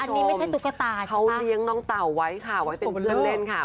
อันนี้ไม่ใช่ตุ๊กตาเขาเลี้ยงน้องเต่าไว้ค่ะไว้เป็นเพื่อนเล่นค่ะ